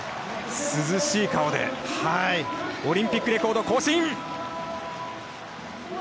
涼しい顔でオリンピックレコード更新！